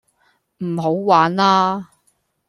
唔好玩啦